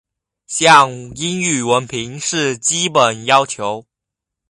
像英语文凭是基本要求。